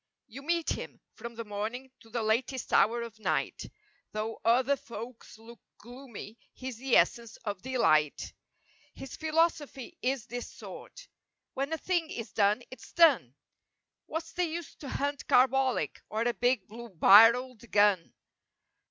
You meet him, from the morning, to the latest hour of night, Though other folks look gloomy he's the essence of delight. His philosophy is this sort: "When a thing is done it's done." "What's the use to hunt carbolic or a big blue barreled gun."